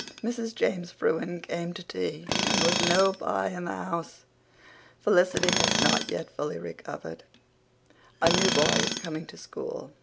Mrs. James Frewen came to tea and there was no pie in the house. Felicity has not yet fully recovered. A new boy is coming to school.